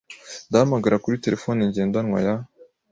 Ndahamagara kuri terefone ngendanwa ya .